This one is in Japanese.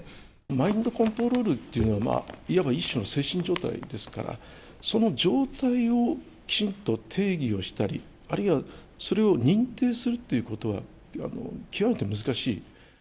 マインドコントロールっていうのは、いわば一種の精神状態ですから、その状態をきちんと定義をしたり、あるいはそれを認定するということは、極めて難しい。